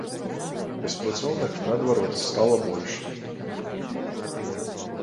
Беспрацоўных, наадварот, стала больш!